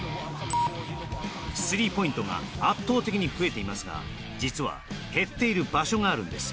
スリーポイントが圧倒的に増えていますが実は減っている場所があるんです。